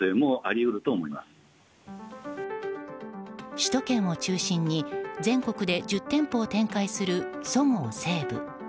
首都圏を中心に全国で１０店舗を展開するそごう・西武。